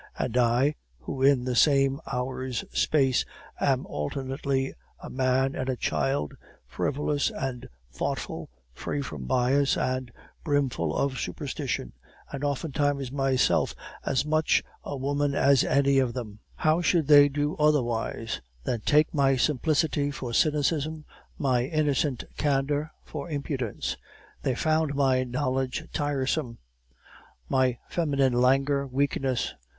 And I, who in the same hour's space am alternately a man and a child, frivolous and thoughtful, free from bias and brimful of superstition, and oftentimes myself as much a woman as any of them; how should they do otherwise than take my simplicity for cynicism, my innocent candor for impudence? They found my knowledge tiresome; my feminine languor, weakness.